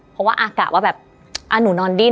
เพราะว่ากะว่าแบบหนูนอนดิ้น